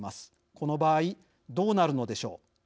この場合どうなるのでしょう。